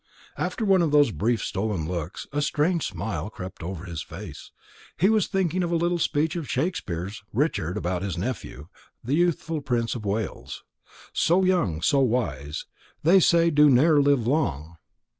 After one of those brief stolen looks, a strange smile crept over his face. He was thinking of a little speech of Shakespeare's Richard about his nephew, the youthful Prince of Wales: So young, so wise, they say do ne'er live long.